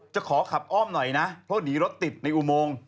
จะขอขับอ้อมหน่อยนะเพราะหนีรถติดในอุโมง